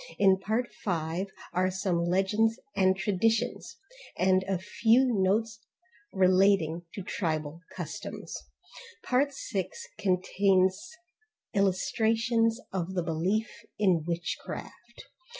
In part 5, are some legends and traditions, and a few notes relating to tribal customs. Part 6 contains illustrations of the belief in witchcraft.